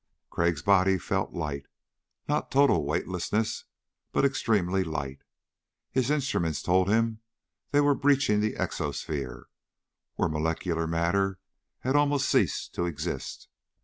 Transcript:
Crag's body felt light; not total weightlessness, but extremely light. His instruments told him they were breaching the exosphere, where molecular matter had almost ceased to exist.